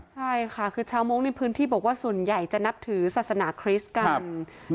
ใช่ค่ะคือชาวโม้งในพื้นที่บอกว่าส่วนใหญ่จะนับถือศาสนาคริสต์กัน